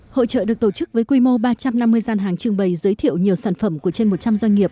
hội trợ được tổ chức với quy mô ba trăm năm mươi gian hàng trưng bày giới thiệu nhiều sản phẩm của trên một trăm linh doanh nghiệp